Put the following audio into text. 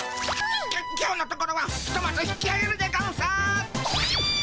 今日のところはひとまず引きあげるでゴンス！